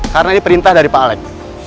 karena ini perintah dari pak alek